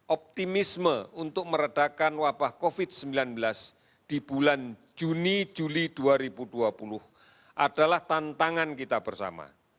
optimisme untuk meredakan wabah covid sembilan belas di bulan juni juli dua ribu dua puluh adalah tantangan kita bersama